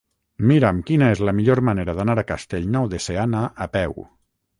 Mira'm quina és la millor manera d'anar a Castellnou de Seana a peu.